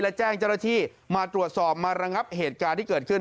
และแจ้งเจ้าหน้าที่มาตรวจสอบมาระงับเหตุการณ์ที่เกิดขึ้น